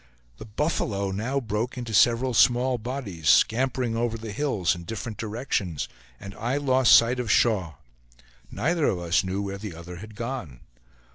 The buffalo now broke into several small bodies, scampering over the hills in different directions, and I lost sight of Shaw; neither of us knew where the other had gone.